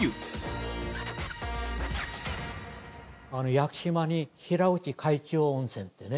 屋久島に平内海中温泉ってね。